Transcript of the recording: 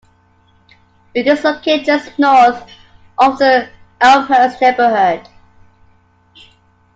It is located just north of the Elmhurst neighborhood.